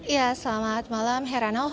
ya selamat malam heranof